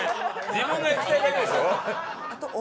自分がいきたいだけでしょ！